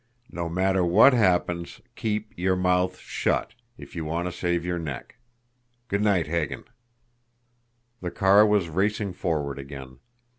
No matter what happens, keep your mouth shut if you want to save your neck! Good night, Hagan!" The car was racing forward again.